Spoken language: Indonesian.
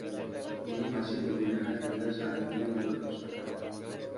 Ini masih digunakan hingga saat ini di perpustakaan.